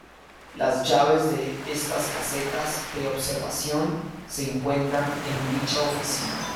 Las llaves de estas casetas de observación se encuentran en dicha oficina.